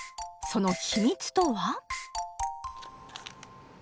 その秘密とは？